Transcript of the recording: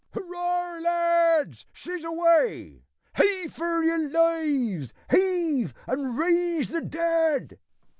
"Hurrah, lads! she's away; heave, for your lives; heave, and raise the dead!"